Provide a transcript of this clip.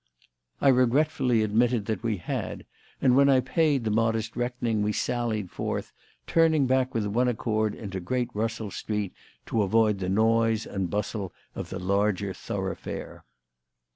I regretfully admitted that we had, and, when I had paid the modest reckoning, we sallied forth, turning back with one accord into Great Russell Street to avoid the noise and bustle of the larger thoroughfare.